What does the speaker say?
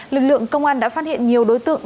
lực lượng công an đã phát hiện nhiều đối tượng